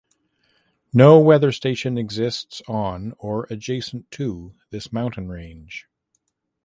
No weather station exists on or adjacent to this mountain range.